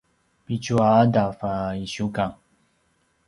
pitju a ’adav a ’isiukang